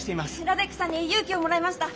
ラデックさんに勇気をもらいました！